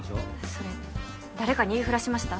それ誰かに言いふらしました？